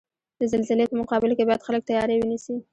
د زلزلزلې په مقابل کې باید خلک تیاری ونیسئ.